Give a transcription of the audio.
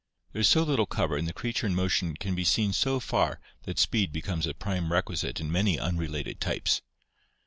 There is so little cover and the creature in motion can be seen so far that speed becomes a prime requisite in many unrelated types.